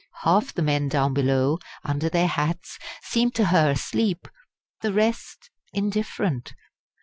Half the men down below, under their hats, seemed to her asleep; the rest indifferent.